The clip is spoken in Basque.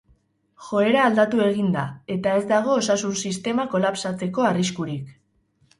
Joera aldatu egin da eta ez dago osasun-sistema kolapsatzeko arriskurik.